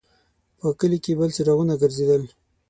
په کلي کې بل څراغونه ګرځېدل.